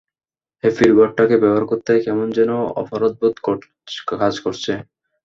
হ্যাপির ঘরটাকে ব্যবহার করতে - কেমন যেন অপরাধবোধ কাজ করছে।